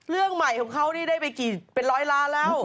เรื่องใหม่ของเขานี่ได้ไปกี่เป็นร้อยล้านแล้ว